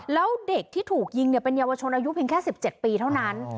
แล้วเด็กที่ถูกยิงเป็นเยาวชนอายุเพียงแค่๑๗ปีเท่านั้น